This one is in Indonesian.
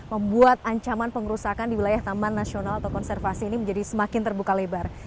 membuat ancaman pengerusakan di wilayah taman nasional atau konservasi ini menjadi semakin terbuka lebar